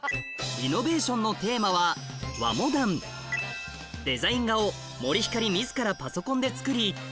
リノベーションのテーマはデザイン画を森星自らパソコンで作り